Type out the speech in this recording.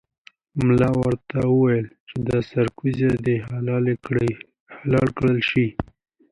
ملا ورته وویل چې دا سرکوزی دې حلال کړای شي.